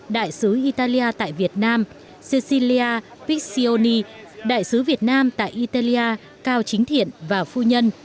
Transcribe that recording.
đại sứ italia tại việt nam cecilia pixioni đại sứ việt nam tại italia cao chính thiện và phu nhân